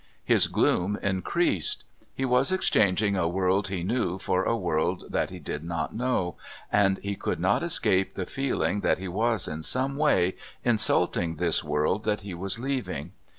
His gloom increased. He was exchanging a world he knew for a world that he did not know, and he could not escape the feeling that he was, in some way, insulting this world that he was leaving.